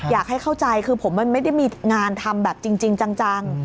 อยากให้เข้าใจคือผมมันไม่ได้มีงานทำแบบจริงจัง